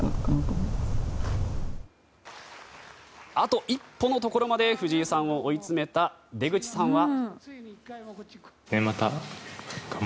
あと一歩のところまで藤井さんを追い詰めた出口さんは。